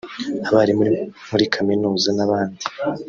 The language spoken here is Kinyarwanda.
abarimu muri kaminuza n’abandi